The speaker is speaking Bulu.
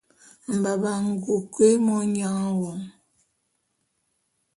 Mbamba’a ngoke monyang wo;